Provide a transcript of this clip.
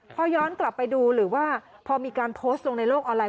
พอย้อนกลับไปดูหรือว่าพอมีการโพสต์ลงในโลกออนไลน